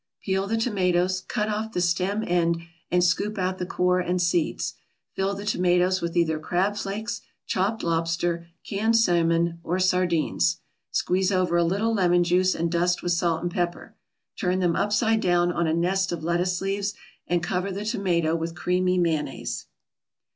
Peel the tomatoes, cut off the stem end and scoop out the core and seeds. Fill the tomatoes with either crab flakes, chopped lobster, canned salmon, or sardines. Squeeze over a little lemon juice, and dust with salt and pepper. Turn them upside down on a nest of lettuce leaves, and cover the tomato with creamy mayonnaise.